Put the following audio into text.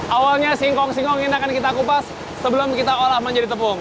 awalnya singkong singkong ini akan kita kupas sebelum kita olah menjadi tepung